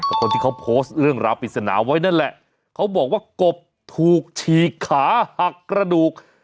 คนที่เขาโพสต์เรื่องราวปริศนาไว้นั่นแหละเขาบอกว่ากบถูกฉีกขาหักกระดูก